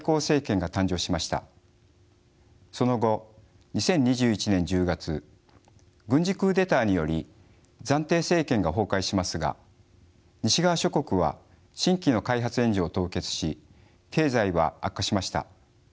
その後２０２１年１０月軍事クーデターにより暫定政権が崩壊しますが西側諸国は新規の開発援助を凍結し経済は悪化しました。